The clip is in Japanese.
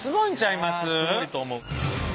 いやすごいと思う。